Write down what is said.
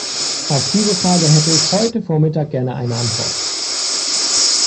Auf diese Frage hätte ich heute vormittag gerne eine Antwort.